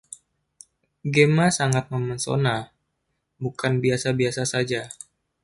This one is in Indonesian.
Gemma sangat memesona, bukan biasa-biasa saja.